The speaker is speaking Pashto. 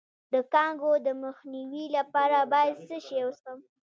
د کانګو د مخنیوي لپاره باید څه شی وڅښم؟